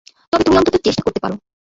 তবে তুমি অন্তত চেষ্টা করতে পারো।